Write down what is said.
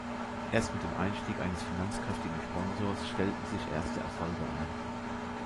Erst mit dem Einstieg eines finanzkräftigen Sponsors stellten sich erste Erfolge ein.